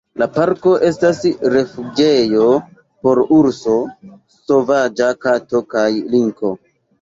La parko estas rifuĝejo por urso, sovaĝa kato kaj linko.